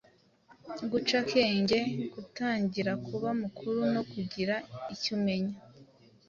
Guca akenge: gutangira kuba mukuru no kugira icyumenya